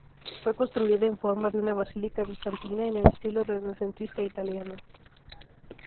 Fue construida en forma de una basílica bizantina, en el estilo renacentista italiano.